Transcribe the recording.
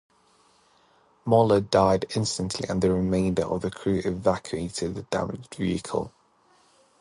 Moller died instantly and the remainder of the crew evacuated the damaged vehicle.